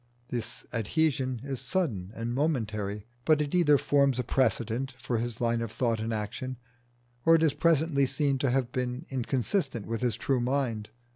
The adhesion is sudden and momentary, but it either forms a precedent for his line of thought and action, or it is presently seen to have been inconsistent with his true mind.